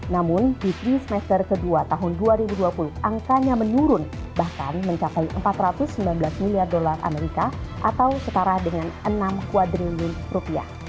namun di tiga semester kedua tahun dua ribu dua puluh angkanya menurun bahkan mencapai empat ratus sembilan belas miliar dolar amerika atau setara dengan enam kuadrilin rupiah